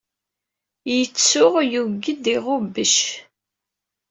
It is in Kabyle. Yettuɣ yugged i ɣubbec.